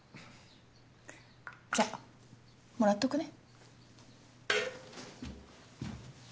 じゃもらっとくね。